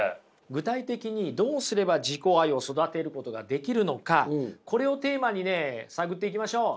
具体的にどうすれば自己愛を育てることができるのかこれをテーマにね探っていきましょう。